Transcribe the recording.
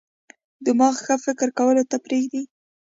دماغ ښه فکر کولو ته پریږدي.